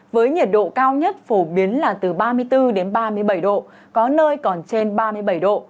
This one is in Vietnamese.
với nhiệt độ cao nhất phổ biến là từ ba mươi bốn đến ba mươi bảy độ có nơi còn trên ba mươi bảy độ